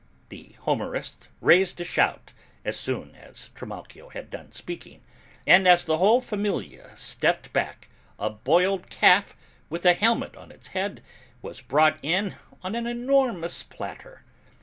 The Homerists raised a shout, as soon as Trimalchio had done speaking, and, as the whole familia stepped back, a boiled calf with a helmet on its head was brought in on an enormous platter.